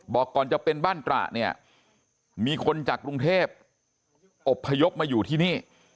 บอกก่อนจะเป็นบ้านตระเนี่ยมีคนจากกรุงเทพอบพยพมาอยู่ที่นี่